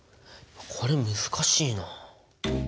これ難しいな。